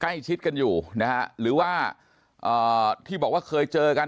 ใกล้ชิดกันอยู่นะฮะหรือว่าที่บอกว่าเคยเจอกัน